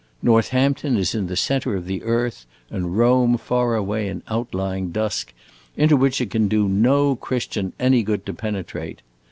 Northampton is in the centre of the earth and Rome far away in outlying dusk, into which it can do no Christian any good to penetrate.